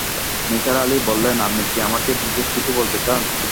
নিসার আলি বললেন, আপনি কি আমাকে বিশেষ কিছু বলতে চান?